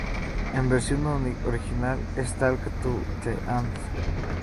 En versión original es "talk to the hand".